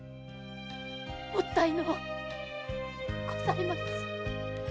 もったいのうございます。